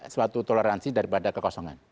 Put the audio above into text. suatu toleransi daripada kekosongan